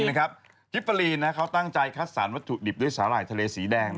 รสชาติกลัวจริงคิบฟารีท์เขาตั้งใจคัดสารวัตถุดิบด้วยสาหร่ายทะเลสีแดง